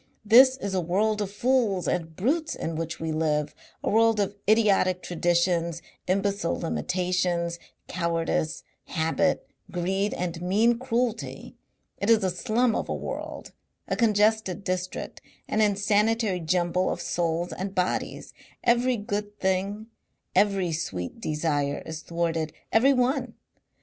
This is a world of fools and brutes in which we live, a world of idiotic traditions, imbecile limitations, cowardice, habit, greed and mean cruelty. It is a slum of a world, a congested district, an insanitary jumble of souls and bodies. Every good thing, every sweet desire is thwarted every one.